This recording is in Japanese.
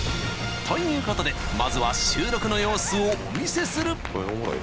［ということでまずは収録の様子をお見せする］